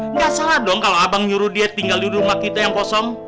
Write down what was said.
nggak salah dong kalau abang nyuruh dia tinggal di rumah kita yang kosong